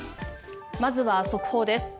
まずは速報です。